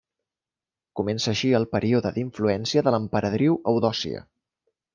Comença així el període d'influència de l'emperadriu Eudòcia.